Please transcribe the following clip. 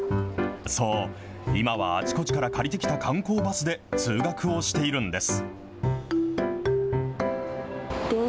そう、今はあちこちから借りてきた観光バスで通学をしているんです。